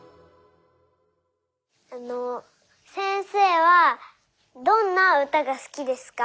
あのせんせいはどんなうたがすきですか？